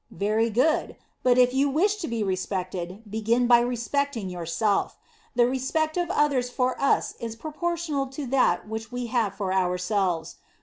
Very good; but if you wish to be respected, begin by respecting yourself. The respect of others for us is proportioned to that which we have for ourselves.